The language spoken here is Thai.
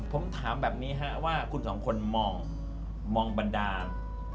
ผมถามแบบนี้ฮะว่าคุณสองคนมองมองบันดาล